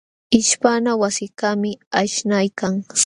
Ishpana wasikaqmi aśhnaykan.